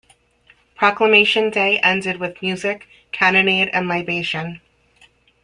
Proclamation - day ended with music, cannonade and libation.